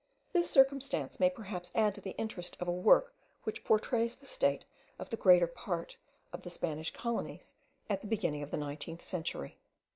This circumstance may perhaps add to the interest of a work which pourtrays the state of the greater part of the Spanish colonies at the beginning of the 19th century.